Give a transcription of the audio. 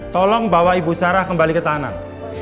tolong bawa ibu sarah kembali ke tanah